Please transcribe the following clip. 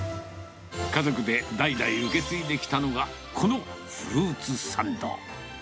家族で代々受け継いできたのが、このフルーツサンド。